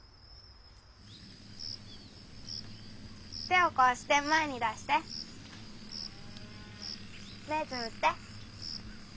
手をこうして前に出して目つむって。